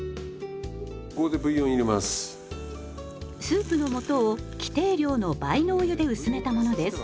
スープの素を規定量の倍のお湯で薄めたものです。